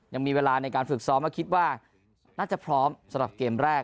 ยังมีเวลาในการฝึกซ้อมแล้วคิดว่าน่าจะพร้อมสำหรับเกมแรก